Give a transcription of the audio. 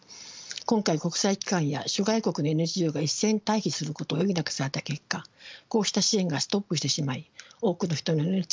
今回国際機関や諸外国のＮＧＯが一斉に退避することを余儀なくされた結果こうした支援がストップしてしまい多くの人の命が危機にひんしています。